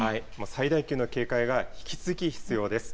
最大級の警戒が引き続き必要です。